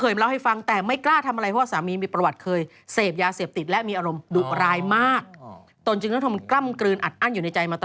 จนกระทั่งเพื่อนบ้านนั่นเองที่โดนไม่ไหว